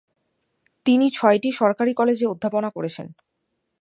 তিনি ছয়টি সরকারি কলেজে অধ্যাপনা করেছেন।